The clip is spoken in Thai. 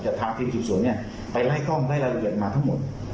แต่ทางทีมสืบสวนเนี่ยไปไล่กล้องไล่รายละเอียดมาทั้งหมด